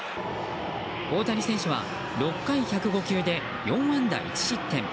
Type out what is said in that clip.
大谷選手は６回１０５球で４安打１失点。